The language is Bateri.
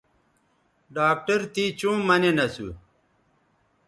ڈاکٹر تے چوں مہ نین اسو